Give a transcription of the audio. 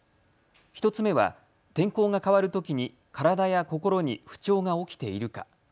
１つ目は天候が変わるときに体や心に不調が起きているか。